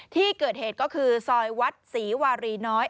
ที่เกิดเหตุก็คือซอยวัดศรีวารีน้อย